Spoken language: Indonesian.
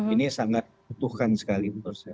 ini sangat butuhkan sekali menurut saya